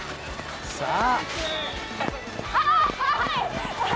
さあ。